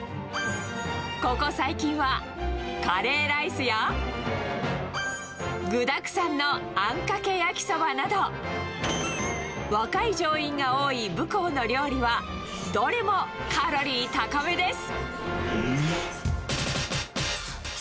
ここ最近は、カレーライスや具だくさんのあんかけ焼きそばなど、若い乗員が多いぶこうの料理は、どれもカロリー高めです。